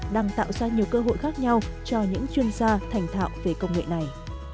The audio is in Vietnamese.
đang tạo ra nhiều cơ hội khác nhau cho những chuyên gia thành thạo về công nghệ này